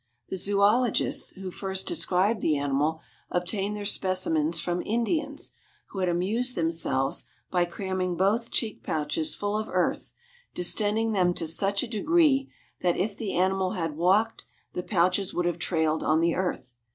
The zoölogists, who first described the animal, obtained their specimens from Indians, who had amused themselves by cramming both cheek pouches full of earth, distending them to such a degree that if the animal had walked the pouches would have trailed on the earth.